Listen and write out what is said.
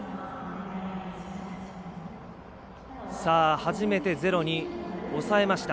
初めてゼロに抑えました。